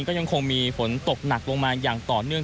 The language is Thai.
ก็ยังคงมีฝนตกหนักลงมาอย่างต่อเนื่อง